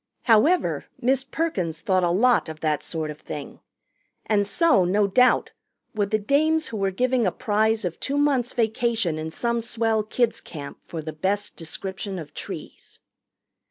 However, Miss Perkins thought a lot of that sort of thing, and so, no doubt, would the dames who were giving a prize of two months' vacation in some swell kids' camp for the best description of trees.